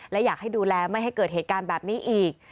และอยากให้ดูแลไม่ให้เกิดเหตุการณ์แบบนี้อีก